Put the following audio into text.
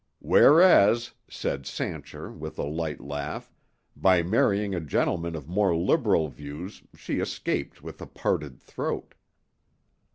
"Whereas," said Sancher, with a light laugh, "by marrying a gentleman of more liberal views she escaped with a parted throat."